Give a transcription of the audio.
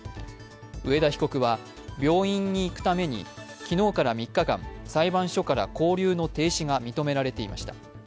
上田被告は病院に行くために昨日から３日間、裁判所から勾留の停止が認められていました。